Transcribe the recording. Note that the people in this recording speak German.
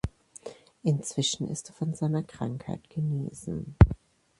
Inzwischen ist er von seiner Krankheit genesen.